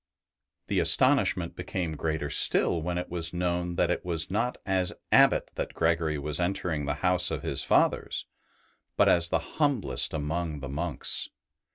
The astonish ment became greater still when it was known that it was not as Abbot that Gregory was entering the house of his fathers, but as the humblest among the monks.